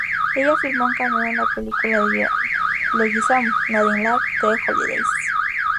Ella filmó un cameo en la película de John Leguizamo, "Nothing Like the Holidays".